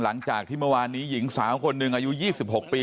หลังจากที่เมื่อวานนี้หญิงสาวคนหนึ่งอายุ๒๖ปี